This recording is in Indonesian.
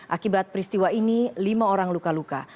akibat peristiwa ini lima orang luka luka